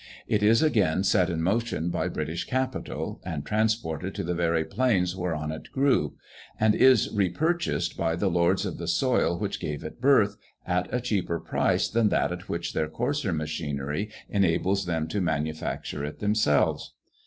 It is again set in motion by British capital, and transported to the very plains whereon it grew; and is repurchased by the lords of the soil which gave it birth, at a cheaper price than that at which their coarser machinery enables them to manufacture it themselves.